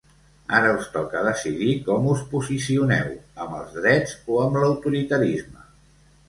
Ara us toca decidir com us posicioneu, amb els drets o amb l'autoritarisme.